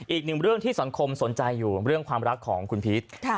อีกหนึ่งเรื่องที่สังคมสนใจอยู่เรื่องความรักของคุณพีช